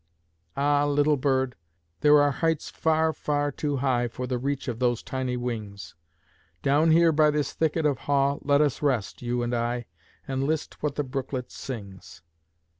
Ah, little bird! There are heights far, far too high For the reach of those tiny wings! Down here by this thicket of haw let us rest, you and I, And list what the brooklet sings!